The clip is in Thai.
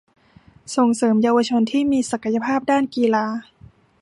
ส่งเสริมเยาวชนที่มีศักยภาพด้านกีฬา